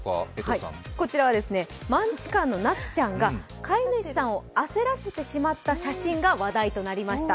こちらはマンチカンのナツちゃんが飼い主さんを焦らせてしまった写真が話題となりました。